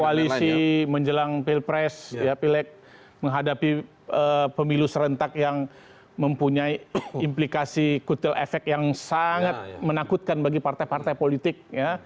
koalisi menjelang pilpres pilek menghadapi pemilu serentak yang mempunyai implikasi kutil efek yang sangat menakutkan bagi partai partai politik